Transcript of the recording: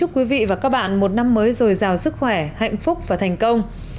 quý vị và các bạn một năm mới rồi giàu sức khỏe hạnh phúc và thành công